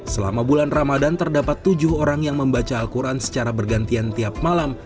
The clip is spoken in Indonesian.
selama bulan ramadan terdapat tujuh orang yang membaca al quran secara bergantian tiap malam